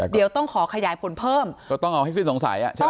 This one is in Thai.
เดี๋ยวต้องขอขยายผลเพิ่มก็ต้องเอาให้สิ้นสงสัยอ่ะใช่ไหม